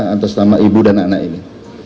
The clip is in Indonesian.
antasama ibu dan anak ini